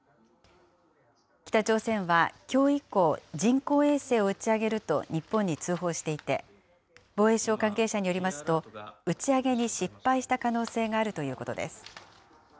北朝鮮はきょう以降、人工衛星を打ち上げると日本に通報していて、防衛省関係者によりますと、打ち上げに失敗した可能性があるということです。